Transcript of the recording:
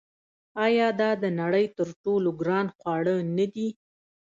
آیا دا د نړۍ تر ټولو ګران خواړه نه دي؟